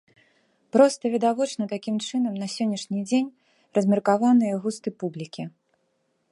Проста, відавочна, такім чынам на сённяшні дзень размеркаваныя густы публікі.